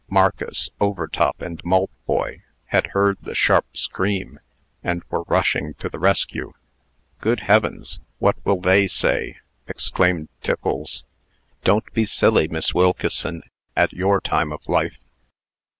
Marcus, Overtop, and Maltboy had heard the sharp scream, and were rushing to the rescue. "Good heavens! what will they say?" exclaimed Tiffles. "Don't be silly, Miss Wilkeson, at your time of life."